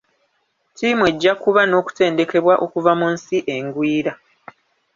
Tiimu ejja kuba n'okutendekebwa okuva mu nsi engwira.